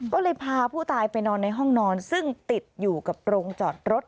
ก็เลยพาผู้ตายไปนอนในห้องนอนซึ่งติดอยู่กับโรงจอดรถ